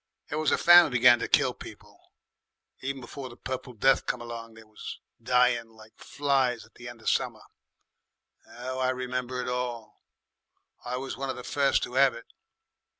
"It was the famine began to kill people. Even before the Purple Death came along they was dying like flies at the end of the summer. 'Ow I remember it all! I was one of the first to 'ave it.